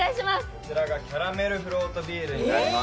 こちらがキャラメルフロートビールになります。